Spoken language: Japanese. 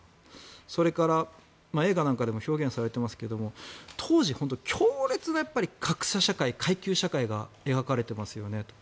それから、映画なんかでも表現されてますけども当時、強烈な格差社会階級社会が描かれていますよね。